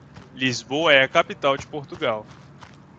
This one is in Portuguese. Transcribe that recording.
Lisboa é a capital de Portugal.